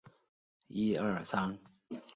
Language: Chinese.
你们是在做什么